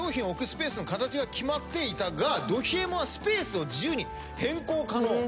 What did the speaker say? スペースの形が決まっていたがど冷えもんはスペースを自由に変更可能。